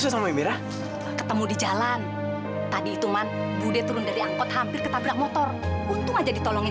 sampai jumpa di video selanjutnya